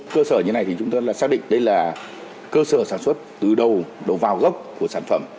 cơ sở như thế này thì chúng ta xác định đây là cơ sở sản xuất từ đầu vào gốc của sản phẩm